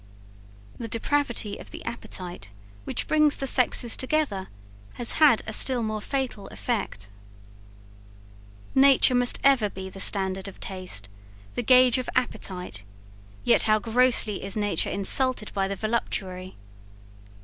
The depravity of the appetite, which brings the sexes together, has had a still more fatal effect. Nature must ever be the standard of taste, the guage of appetite yet how grossly is nature insulted by the voluptuary.